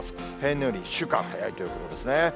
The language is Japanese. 例年より１週間早いということですね。